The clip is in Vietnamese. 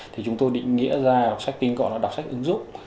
thì chúng tôi định nghĩa ra đọc sách tinh gọn là đọc sách ứng dụng